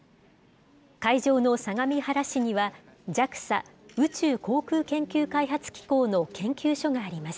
会場の相模原市には、ＪＡＸＡ・宇宙航空研究開発機構の研究所があります。